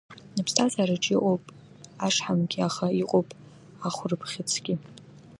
Аԥсҭазараҿы иҟоуп ашҳамгьы, аха иҟоуп ахәрыбӷьыцгьы.